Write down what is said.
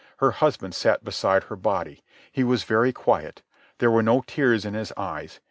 Her husband sat beside her body. He was very quiet. There were no tears in his eyes.